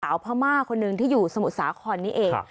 สาวพระม่าคนหนึ่งที่อยู่สมุดสาขอนนี้เอง